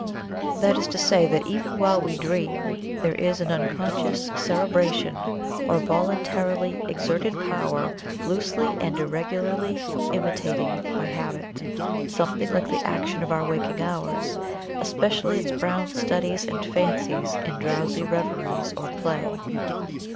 That is to say that even while we dream there is an unconscious cerebration or voluntarily exerted power loosely and irregularly imitating by habit, something like the action of our waking hours, especially its brown studies and fancies in drowsy reveries or play.